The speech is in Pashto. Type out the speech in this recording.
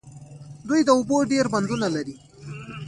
دوی د اوبو ډیر بندونه لري.